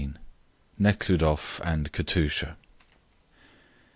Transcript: NEKHLUDOFF AND KATUSHA.